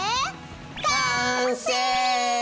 完成！